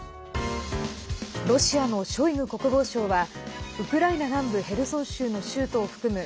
ロシアのショイグ国防相はウクライナ南部ヘルソン州の州都を含む